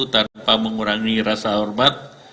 tanpa mengurangi rasa hormat